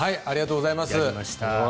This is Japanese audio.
ありがとうございます。